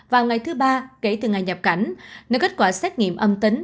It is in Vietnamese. vào ngày thứ ba kể từ ngày nhập cảnh nơi kết quả xét nghiệm âm tính